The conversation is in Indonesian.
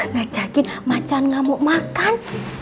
ngajakin macan ngamuk makan